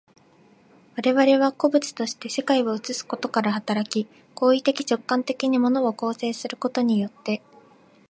我々は個物として世界を映すことから働き、行為的直観的に物を構成することによって、